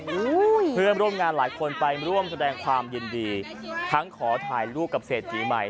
เพื่อนร่วมงานหลายคนไปร่วมแสดงความยินดีทั้งขอถ่ายรูปกับเศรษฐีใหม่